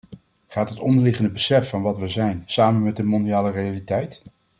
Gaat het onderliggende besef van wat we zijn samen met de mondiale realiteit?